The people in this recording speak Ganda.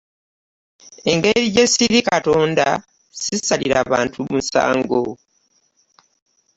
Engeri gy'esiri Katonda sisarira bantu musango .